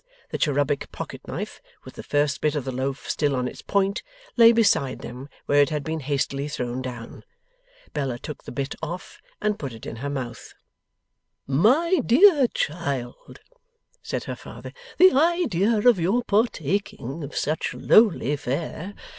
The cherubic pocket knife, with the first bit of the loaf still on its point, lay beside them where it had been hastily thrown down. Bella took the bit off, and put it in her mouth. 'My dear child,' said her father, 'the idea of your partaking of such lowly fare!